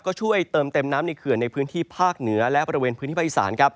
ก็ช่วยเติมเต็มน้ำในเขื่อนในพื้นที่ภาคเหนือและบริเวณพื้นที่ภาคอีสานครับ